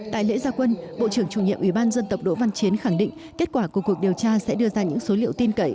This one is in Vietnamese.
tại lễ gia quân bộ trưởng chủ nhiệm ủy ban dân tộc đỗ văn chiến khẳng định kết quả của cuộc điều tra sẽ đưa ra những số liệu tin cậy